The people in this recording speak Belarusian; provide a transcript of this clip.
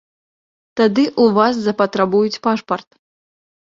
Тады ў вас запатрабуюць пашпарт.